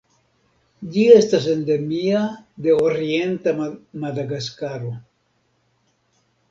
Ĝi estas endemia de orienta Madagaskaro.